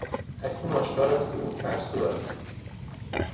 اکنون آشکار است که او ترسو است.